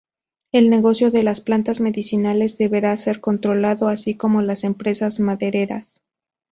El negocio de las plantas medicinales deberá ser controlado, así como las empresas madereras.